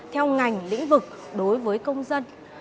theo ngành lĩnh vực đối với công dân